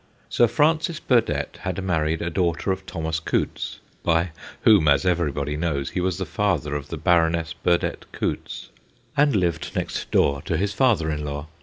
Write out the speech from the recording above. Sir Francis Burdett had married a daughter of Thomas Coutts (by whom, as everybody knows, he was the father of the Baroness Burdett Coutts), and lived next door to his father in law.